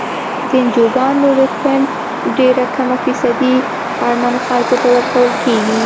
د انجوګانو د فنډ ډیره کمه فیصدي اړمنو خلکو ته ورکول کیږي.